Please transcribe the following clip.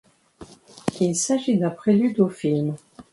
Il s'agit d'un prélude au film.